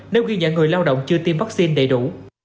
nếu ghi nhận người lao động chưa tiêm vaccine đầy đủ